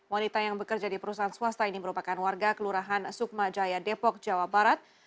wanita yang bekerja di perusahaan swasta ini merupakan warga kelurahan sukma jaya depok jawa barat